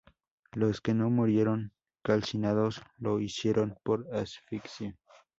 Los que no murieron calcinados lo hicieron por asfixia.